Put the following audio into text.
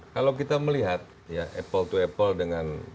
kalau kita melihat ya apple to apple dengan